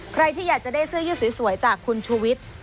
ใครที่อยากจะได้เสื้อยืดสวยจากคุณชูวิทย์